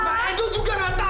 ma edo juga nggak tahu ma